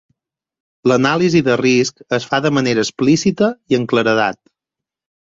L'anàlisi de risc es fa de manera explícita i amb claredat.